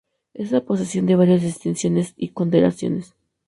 Está en posesión de varias distinciones y condecoraciones.